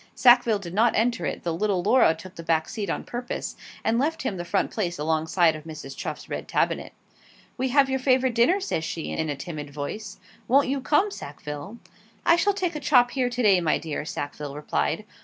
Sackville did not enter it, though little Laura took the back seat on purpose, and left him the front place alongside of Mrs. Chuff's red tabinet. 'We have your favourite dinner,' says she, in a timid voice; 'won't you come, Sackville?' 'I shall take a chop here to day, my dear,' Sackville replied.